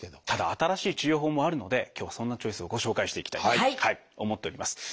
ただ新しい治療法もあるので今日はそんなチョイスをご紹介していきたいと思っております。